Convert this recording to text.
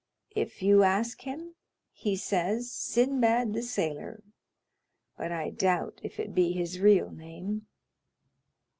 "If you ask him, he says Sinbad the Sailor; but I doubt if it be his real name."